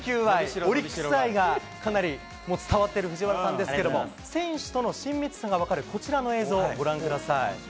野球愛、オリックス愛がかなり伝わってる藤原さんですけれども、選手との親密さが分かるこちらの映像、ご覧ください。